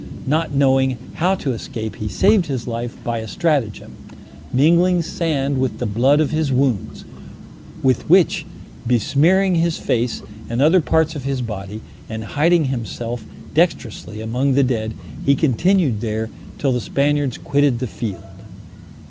Not knowing how to escape, he saved his life by a stratagem; mingling sand with the blood of his wounds, with which besmearing his face, and other parts of his body, and hiding himself dextrously among the dead, he continued there till the Spaniards quitted the field.